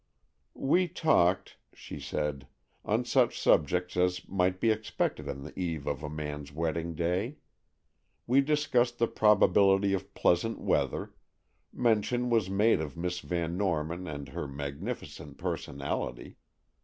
"We talked," she said, "on such subjects as might be expected on the eve of a man's wedding day. We discussed the probability of pleasant weather, mention was made of Miss Van Norman and her magnificent personality.